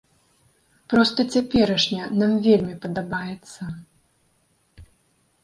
Проста цяперашняя нам вельмі падабаецца.